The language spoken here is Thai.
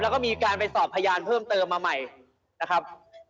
แล้วก็มีการไปสอบพยานเพิ่มเติมมาใหม่นะครับ